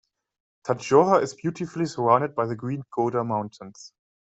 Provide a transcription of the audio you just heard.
Tadjoura is beautifully surrounded by the green Goda Mountains.